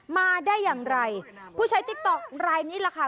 มาได้อย่างไรผู้ใช้ติ๊กต๊อกรายนี้แหละค่ะ